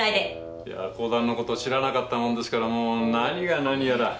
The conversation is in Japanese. いや講談のことを知らなかったもんですからもう何が何やら。